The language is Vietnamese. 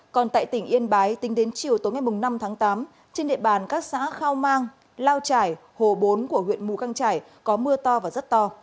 còn tại tỉnh yên bái tính đến chiều tối ngày năm tháng tám trên địa bàn các xã khao mang lao trải hồ bốn của huyện mù căng trải có mưa to và rất to